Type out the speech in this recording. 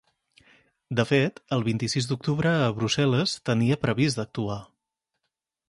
De fet, el vint-i-sis d’octubre a Brussel·les tenia previst d’actuar.